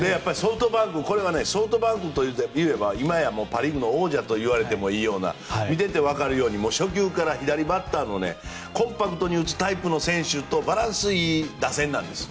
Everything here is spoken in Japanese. これは、ソフトバンクといえば今やパ・リーグの王者といわれてもいいような見ていてわかるように初球から、左バッターのコンパクトに打つタイプの選手とバランスのいい打線なんです。